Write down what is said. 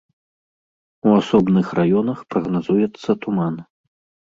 У асобных раёнах прагназуецца туман.